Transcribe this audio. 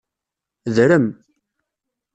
Drem.